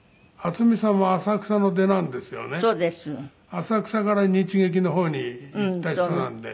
浅草から日劇の方に行った人なんで。